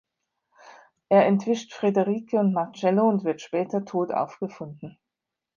Er entwischt Frederike und Marcello und wird später tot aufgefunden.